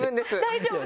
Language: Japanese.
大丈夫！